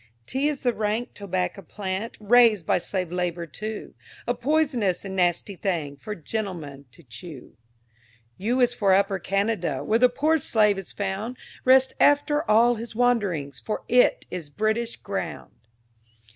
T is the rank Tobacco plant, Raised by slave labor too: A poisonous and nasty thing, For gentlemen to chew. U is for Upper Canada, Where the poor slave has found Rest after all his wanderings, For it is British ground!